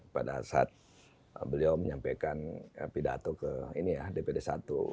pada saat beliau menyampaikan pidato ke ini ya dpd satu